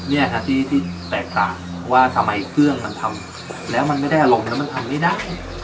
เนี่ยครับที่แตกต่างว่าทำไมเครื่องมันทำแล้วมันไม่ได้อารมณ์แล้วมันทำไม่ได้